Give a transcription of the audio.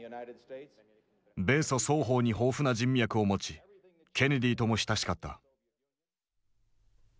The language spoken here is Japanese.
米ソ双方に豊富な人脈を持ちケネディとも親しかった。